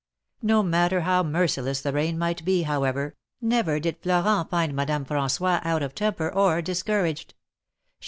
No matter how merciless the rain might be, however, never did Florent find Madame Fran9ois out of temper or discouraged.